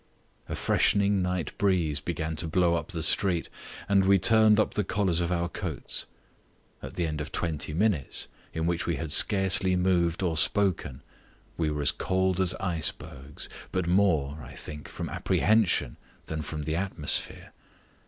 A freshening night breeze began to blow up the street, and we turned up the collars of our coats. At the end of twenty minutes, in which we had scarcely moved or spoken, we were as cold as icebergs, but more, I think, from apprehension than the atmosphere.